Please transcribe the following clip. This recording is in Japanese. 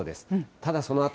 ただそのあと。